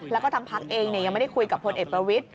แล้วก็ทำภาคเองยังไม่ได้คุยกับพลเอ็ดประวิท